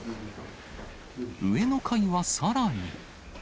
上の階はさらに。